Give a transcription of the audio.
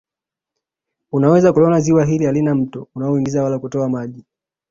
Unaweza kuliona Ziwa hili halina mto unaoingiza wala kutoa maji